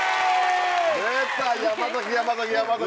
出た山山崎山崎。